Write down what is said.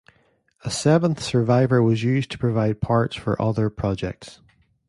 A seventh survivor was used to provide parts for other projects.